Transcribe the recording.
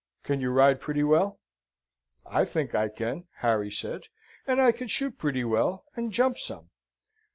Can you ride pretty well?" "I think I can," Harry said; "and I can shoot pretty well, and jump some."